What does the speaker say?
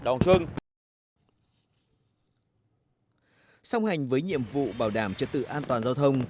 xong hành với nhiệm vụ bảo đảm chật tự an toàn giao thông